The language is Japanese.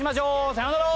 さようなら！